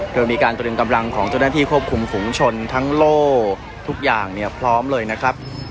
โดยมีการตรึงกำลังของเจ้าหน้าที่ควบคุมฝุงชนทั้งโลกทุกอย่างเนี่ยพร้อมเลยนะครับ